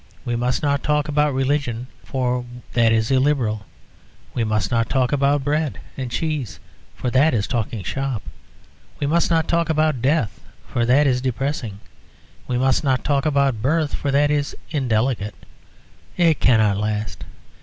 We must not talk about religion, for that is illiberal; we must not talk about bread and cheese, for that is talking shop; we must not talk about death, for that is depressing; we must not talk about birth, for that is indelicate. It cannot last.